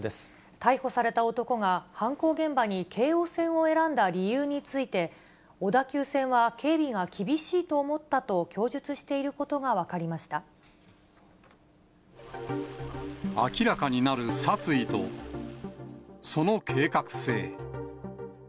逮捕された男が、犯行現場に京王線を選んだ理由について、小田急線は警備が厳しいと思ったと供述していることが分かりまし明らかになる殺意と、その計画性。